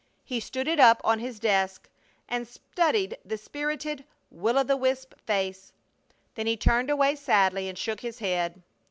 He stood it up on his desk and studied the spirited will o' the wisp face! Then he turned away sadly and shook his head.